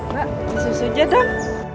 mbak susu aja dong